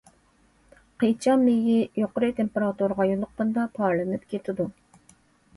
قىچا مېيى يۇقىرى تېمپېراتۇرىغا يولۇققاندا پارلىنىپ كېتىدۇ.